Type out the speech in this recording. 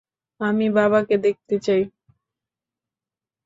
আমি বাবাকে দেখতে চাই।